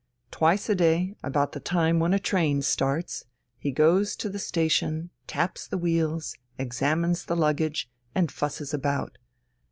Twice a day, about the time when a train starts, he goes to the station, taps the wheels, examines the luggage, and fusses about.